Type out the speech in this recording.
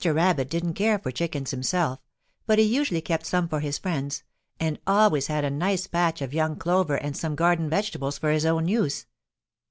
Rabbit didn't care for chickens himself, but he usually kept some for his friends, and always had a nice patch of young clover and some garden vegetables for his own use.